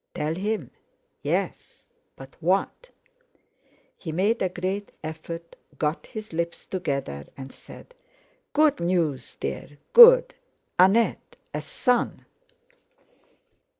Tell him?—yes. But what? He made a great effort, got his lips together, and said: "Good news, dear, good—Annette, a son."